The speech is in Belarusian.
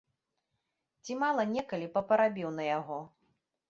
Ці мала некалі папарабіў на яго?